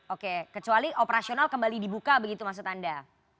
oke kecuali operasional kembali dibuka begitu maksud anda